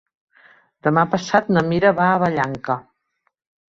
Demà passat na Mira va a Vallanca.